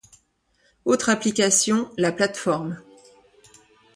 Autre explication, la plate-forme.